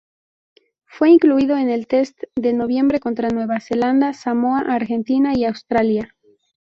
Fue incluido en los test de noviembre contra Nueva Zelanda, Samoa, Argentina y Australia.